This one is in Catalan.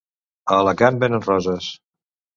A Alacant venen roses.